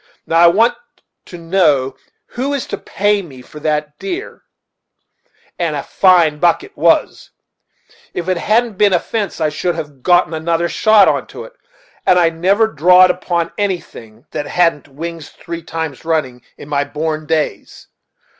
Now I want to know who is to pay me for that deer; and a fine buck it was. If there hadn't been a fence I should have gotten another shot into it; and I never drawed upon anything that hadn't wings three times running, in my born days.